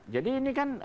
jadi ini kan